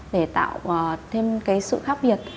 để tạo thêm sự khác biệt